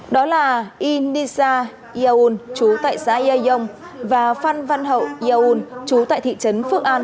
đó là inisa iaun chú tại xã yaiyong và phan văn hậu iaun chú tại thị trấn phước an